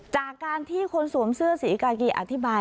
จากการที่คนสวมเสื้อสีกากีอธิบาย